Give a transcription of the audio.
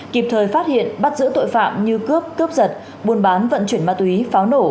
kịp thời phát hiện bắt giữ tội phạm như cướp cướp giật buôn bán vận chuyển ma túy pháo nổ